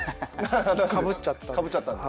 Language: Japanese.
かぶっちゃったんで。